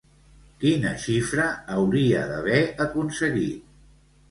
Quina xifra hauria d'haver aconseguit?